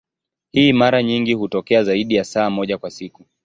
Hii mara nyingi hutokea zaidi ya saa moja kwa siku.